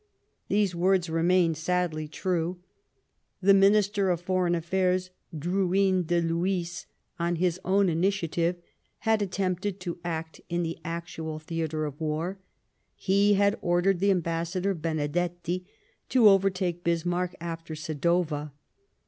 These words remained sadly true. The Minister of Foreign Affairs, Drouyn de Lhuys, on his own initiative, had attempted to act in the actual theatre of war ; he had ordered the Ambassador, Benedetti, to overtake Bismarck after Sadowa.